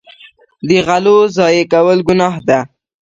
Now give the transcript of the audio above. د غلو ضایع کول ګناه ده.